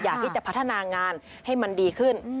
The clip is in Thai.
อยากที่จะพัฒนางานให้มันดีขึ้น